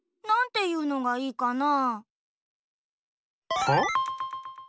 なんていうのがいいかな？